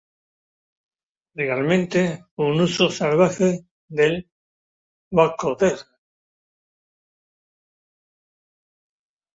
Realmente un uso salvaje del vocoder".